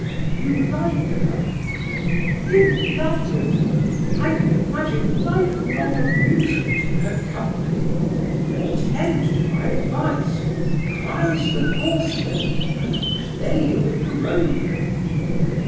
"You like her?" "In love with her! I can imagine life long amusement in her company. Attend to my advice: prize the porcelain and play with the rogue."